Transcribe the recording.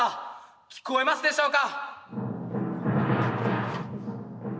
聞こえますでしょうか？